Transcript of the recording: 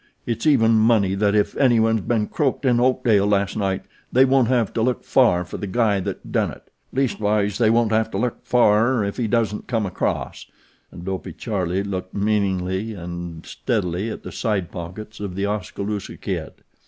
It's even money that if anyone's been croaked in Oakdale last night they won't have to look far for the guy that done it. Least wise they won't have to look far if he doesn't come across," and Dopey Charlie looked meaningly and steadily at the side pockets of The Oskaloosa Kid.